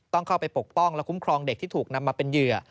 ต้องเข้าไปปกป้องและคุ้มครองเด็กที่ถูกนำมาเป็นเหยื่อ